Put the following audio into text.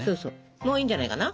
もういいんじゃないかな？